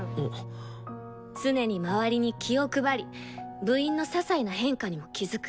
常に周りに気を配り部員のささいな変化にも気付く。